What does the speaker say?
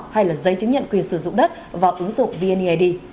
hay là giấy chứng nhận quyền sử dụng đất vào ứng dụng vneid